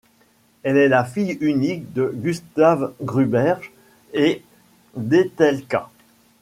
Elle est la fille unique de Gustav Gruber et d'Etelka.